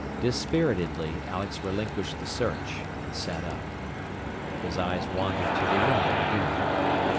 Dispiritedly Alex relinquished the search, and sat up. His eyes wandered to the window near him.